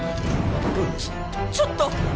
ちょっと！